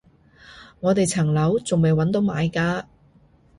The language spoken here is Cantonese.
我哋層樓仲未搵到買家